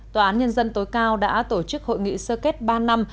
tòa án nhân dân tối cao đã tổ chức hội nghị sơ kết ba năm